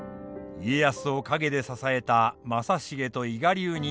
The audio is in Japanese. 家康を陰で支えた正成と伊賀流忍者たち。